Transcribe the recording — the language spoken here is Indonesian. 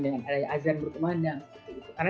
dan ada azan berkemah dan sebagainya